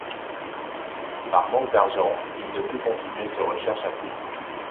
Par manque d'argent, il ne put continuer ses recherches à Fribourg.